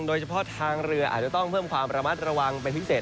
โดยเฉพาะทางเรืออาจจะต้องเพิ่มความระมัดระวังเป็นพิเศษ